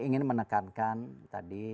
ingin menekankan tadi